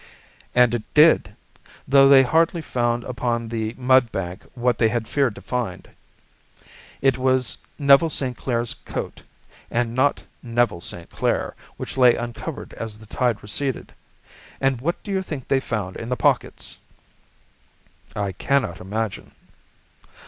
"And it did, though they hardly found upon the mud bank what they had feared to find. It was Neville St. Clair's coat, and not Neville St. Clair, which lay uncovered as the tide receded. And what do you think they found in the pockets?" "I cannot imagine."